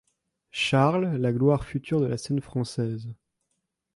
Charles, la gloire future de la scène française.